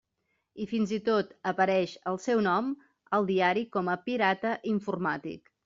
I fins i tot apareix el seu nom al diari com a pirata informàtic.